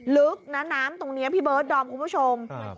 ลึกนะน้ำตรงนี้พี่เบิร์ดดอมคุณผู้ชม